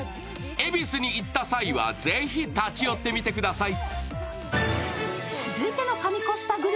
恵比寿に行った際は、ぜひ立ち寄ってみてください。